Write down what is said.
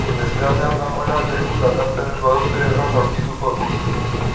Beste aldean dagoena lekuz aldatzen ez badute erraz aurkituko dugu.